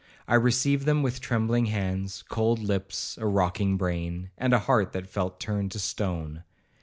I received them with trembling hands, cold lips, a rocking brain, and a heart that felt turned to stone.